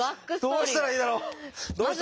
どうしたらいいだろう？